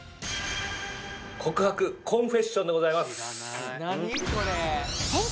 「告白コンフェッション」でございます